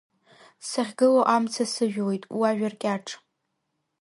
Сахьгылоу амца сыжәлоит, уажәа ркьаҿ.